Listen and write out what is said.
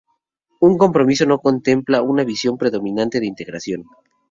Un compromiso no contempla una visión predominante de integración.